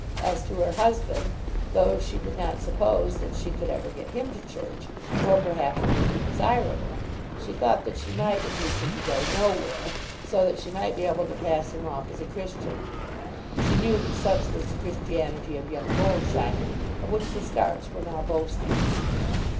As to her husband, though she did not suppose that she could ever get him to church, nor perhaps would it be desirable, she thought that she might induce him to go nowhere, so that she might be able to pass him off as a Christian. She knew that such was the Christianity of young Goldsheiner, of which the Starts were now boasting.